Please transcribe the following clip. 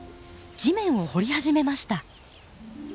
地面を掘り始めました。